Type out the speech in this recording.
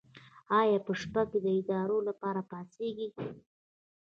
ایا په شپه کې د ادرار لپاره پاڅیږئ؟